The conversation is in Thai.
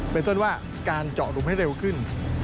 เป็นต้นว่าการเจาะหลุมให้เร็วขึ้น